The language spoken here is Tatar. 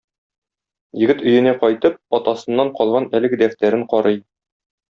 Егет өенә кайтып, атасыннан калган әлеге дәфтәрен карый.